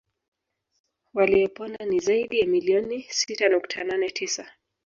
Waliopona ni zaidi ya milioni sita nukta nane tisa